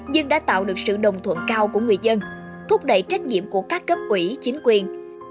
nhưng đã tạo được sự đồng thuận cao của người dân thúc đẩy trách nhiệm của các cấp ủy chính quyền